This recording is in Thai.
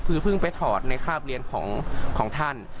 คือเพิ่งไปถอดในคาบเรียนของท่าน